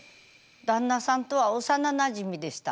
旦那さんとは幼なじみでした。